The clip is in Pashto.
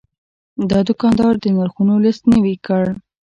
دا دوکاندار د نرخونو لیست نوي کړ.